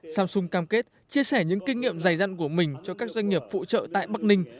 samsung cam kết chia sẻ những kinh nghiệm dày dặn của mình cho các doanh nghiệp phụ trợ tại bắc ninh